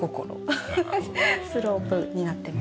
フフフスロープになってます。